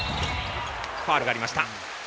ファウルがありました。